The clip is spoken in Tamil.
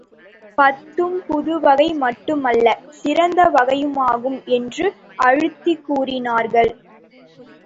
பத்தும் புதுவகை மட்டுமல்ல, சிறந்த வகையுமாகும் என்று அழுத்திக் கூறினார்கள்.